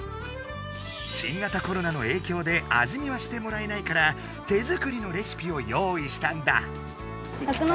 新型コロナのえいきょうで味見はしてもらえないから手作りのレシピを用意したんだ。